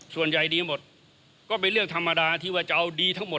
ส่วนใหญ่ดีหมดก็เป็นเรื่องธรรมดาที่ว่าจะเอาดีทั้งหมด